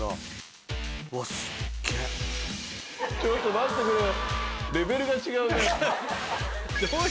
ちょっと待ってくれよ。